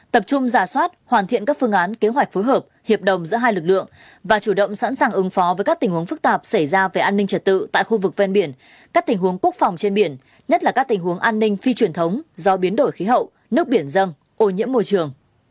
tập trung giả soát hoàn thiện các phương án kế hoạch phối hợp hiệp đồng giữa hai lực lượng và chủ động sẵn sàng ứng phó với các tình huống phức tạp xảy ra về an ninh trật tự tại khu vực ven biển các tình huống quốc phòng trên biển nhất là các tình huống an ninh phi truyền thống do biến đổi khí hậu nước biển dân ô nhiễm môi trường